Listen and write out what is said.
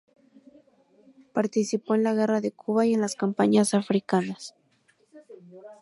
Participó en la guerra de Cuba y en las campañas africanas.